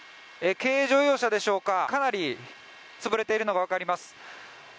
軽乗用車でしょうか、かなり潰れているのが分かります。